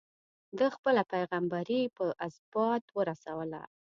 ده خپله پيغمبري په ازبات ورسوله.